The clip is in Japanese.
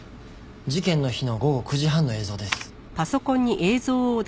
事件の日の午後９時半の映像です。